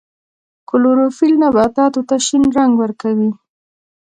کلوروفیل نباتاتو ته شین رنګ ورکوي